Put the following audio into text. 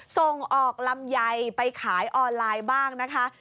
ส่งออกลำไยไปขายออนไลน์บ้างนะคะ